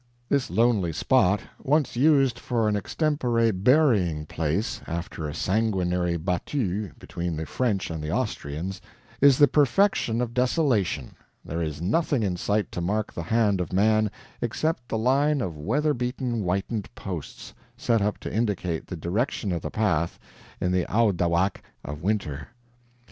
This lonely spot, once used for an extempore burying place, after a sanguinary BATTUE between the French and Austrians, is the perfection of desolation; there is nothing in sight to mark the hand of man, except the line of weather beaten whitened posts, set up to indicate the direction of the pass in the OWDAWAKK of winter.